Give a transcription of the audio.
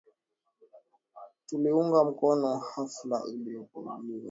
Tuliunga mkono hafla iliyoandaliwa na Lawyer’s Hub, yenye mada Mtaji Mweupe, Wakurugenzi Weusi.